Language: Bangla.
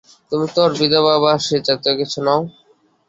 তুমি তো ওর বিধবা বা সে জাতীয় কিছু নও।